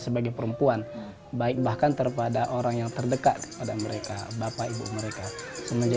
sebagai perempuan baik bahkan terhadap orang yang terdekat pada mereka bapak ibu mereka semenjak